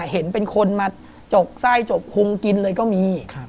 เห็นเป็นคนมาจกไส้จกคุงกินเลยก็มี